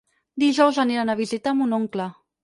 Dijous aniran a visitar mon oncle.